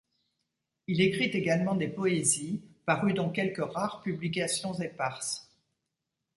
Il écrit également des poésies, parues dans quelques rares publications éparses.